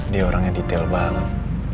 dia orangnya detail banget